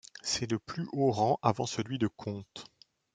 C'est le plus haut rang avant celui de comte.